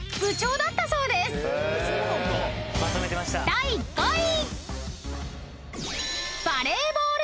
［第５位］